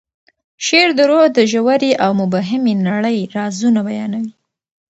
شعر د روح د ژورې او مبهمې نړۍ رازونه بیانوي.